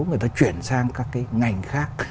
người ta chuyển sang các cái ngành khác